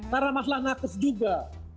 karena masalah nakes juga